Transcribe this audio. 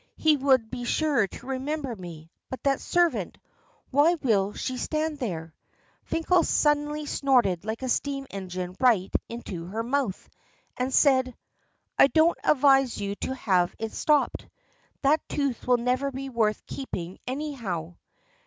"He would be sure to remember me. But that servant! Why will she stand there?" Finkel suddenly snorted like a steam engine right into her mouth, and said: "I don't advise you to have it stopped. That tooth will never be worth keeping anyhow."